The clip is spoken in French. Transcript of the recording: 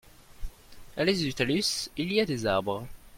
À l'est du talus il y a des arbres.